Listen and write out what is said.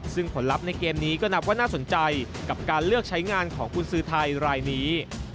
ซึ่งผลลัพธ์ในเกมนี้ก็นับว่าน่าสนใจกับการเลือกใช้งานของกุญสือไทยรายนี้